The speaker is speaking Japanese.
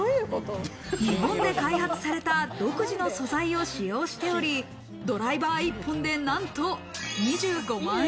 日本で開発された独自の素材を使用しており、ドライバー１本でなんと２５万円。